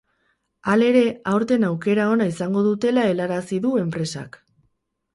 Halere, aurten aukera ona izango dutela helarazi du enpresak.